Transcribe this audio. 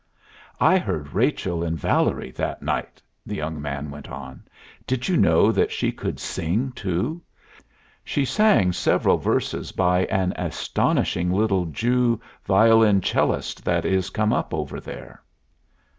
"I heard Rachel in Valerie that night," the young man went on. "Did you know that she could sing, too. She sang several verses by an astonishing little Jew violin cellist that is come up over there."